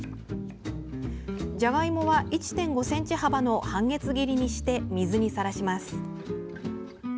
じゃがいもは１．５ｃｍ幅の半月切りにして水にさらします。